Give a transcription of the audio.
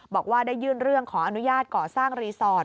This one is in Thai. บอกว่าได้ยื่นเรื่องขออนุญาตก่อสร้างรีสอร์ท